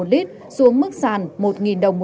một lít xuống mức sàn một đồng